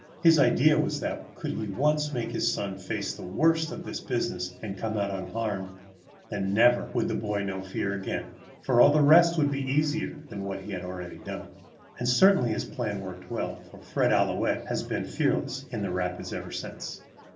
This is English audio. His idea was that, could he once make his son face the worst of this business and come out unharmed, then never would the boy know fear again, for all the rest would be easier than what he had already done. And certainly his plan worked well, for Fred Ouillette has been fearless in the rapids ever since.